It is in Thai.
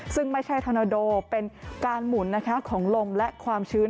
ซึ่งไม่ใช่ธอนาโดเป็นการหมุนของลมและความชื้น